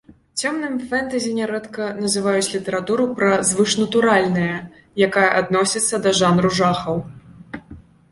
Цёмным фэнтэзі нярэдка называюць літаратуру пра звышнатуральнае, якая адносіцца да жанру жахаў.